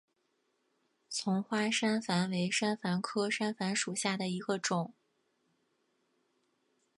丛花山矾为山矾科山矾属下的一个种。